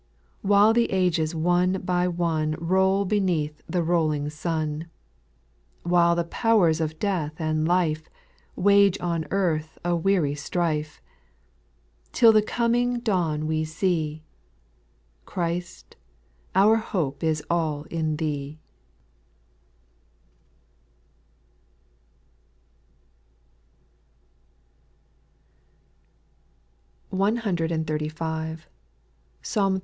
While the ages one by one Roll beneath the rolling sun ;— While the powers of death and life. Wage on earth a weary strife ;— Till the coming dawn we see, Christ, our hope is all in Thee I 135. Psalm xxxi.